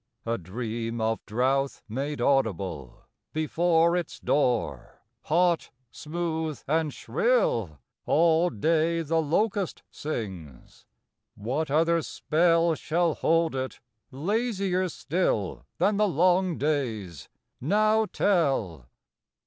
A dream of drouth made audible Before its door, hot, smooth, and shrill All day the locust sings.... What other spell Shall hold it, lazier still Than the long day's, now tell?